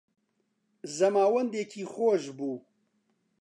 زەماوندێکی خۆش بوو